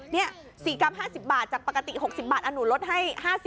นี่๔กรัม๕๐บาทจากปกติ๖๐บาทหนูลดให้๕๐